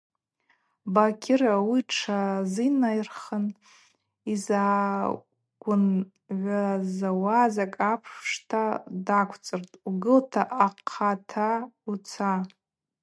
Бакьыр ауи тшазынайырхан йгӏазгвынгӏвдзауа закӏ апшта даквцӏыртӏ: – Угылта ахъата уца.